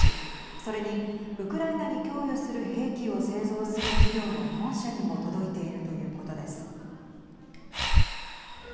それに、ウクライナに供与する兵器を製造する企業の本社にも届いているということです。